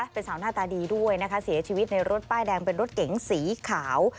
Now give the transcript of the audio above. เป็นสาวหน้าตาดีด้วยนะคะเสียชีวิตในรถป้ายแดงเป็นรถเก๋งสีขาว